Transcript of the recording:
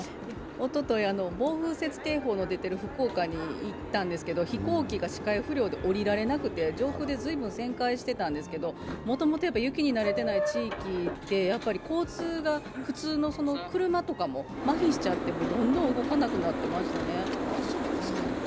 おととい、暴風雪警報の出ている福岡に行ったんですが、飛行機が視界不良で降りられなくて上空で随分旋回してたんですけど、もともと雪に慣れてない地域って交通が、普通の車とかもまひしちゃってどんどん動かなくなってましたね。